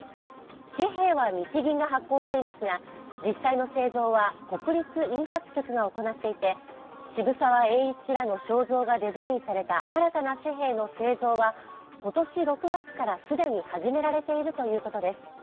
紙幣は日銀が発行していますが実際の印刷は国立印刷局が行っていて渋沢栄一らがデザインされた新たな紙幣の製造は今年６月から既に始められているということです。